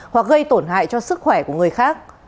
hoặc gây tổn hại cho sức khỏe của người khác